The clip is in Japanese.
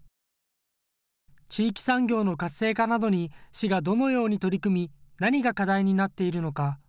地域産業の活性化などに市がどのように取り組み、何が課題になっているのか。